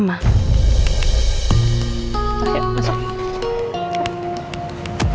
mas al yuk masuk